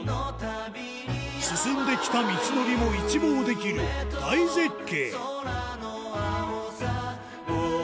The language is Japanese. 進んできた道のりも一望できる大絶景